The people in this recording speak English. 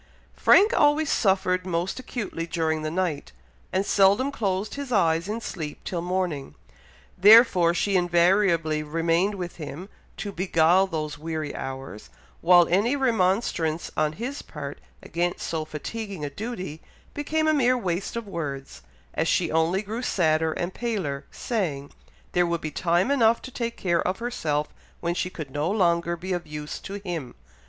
Frank always suffered most acutely during the night, and seldom closed his eyes in sleep till morning, therefore she invariably remained with him, to beguile those weary hours, while any remonstrance on his part against so fatiguing a duty, became a mere waste of words, as she only grew sadder and paler, saying, there would be time enough to take care of herself when she could no longer be of use to him.